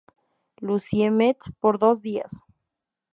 Lucie Mets por dos días.